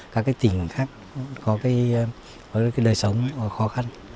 các tỉnh khác có đời sống khó khăn